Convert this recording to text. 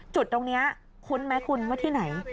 จุดตรงนี้คุ้นไหมคุณว่าที่ไหน